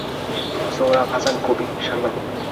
সোহরাব হাসান কবি, সাংবাদিক।